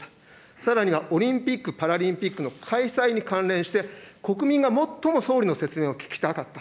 さらにはオリンピック・パラリンピックの開催に関連して、国民が最も総理の説明を聞きたかった。